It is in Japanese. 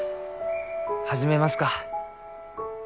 始めますか。